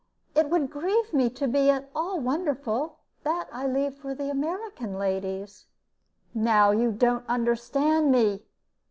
It would grieve me to be at all wonderful. That I leave for American ladies." "Now you don't understand me.